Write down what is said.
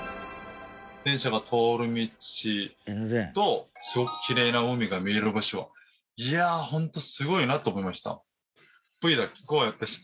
電車が通る道とすごくきれいな海が見える場所はいやホント。